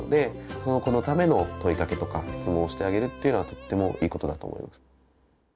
その子のための問いかけとか質問をしてあげるっていうのはとってもいいことだと思います。